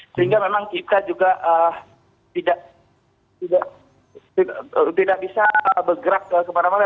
sehingga memang kita juga tidak bisa bergerak kemana mana